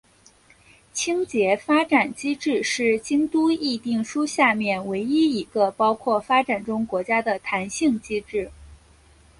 清洁发展机制是京都议定书下面唯一一个包括发展中国家的弹性机制。